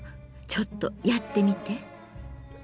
ちょっとやってみて。